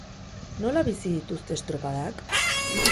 Nola bizi dituzte estropadak?